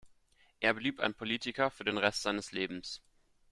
Er blieb ein Politiker für den Rest seines Lebens.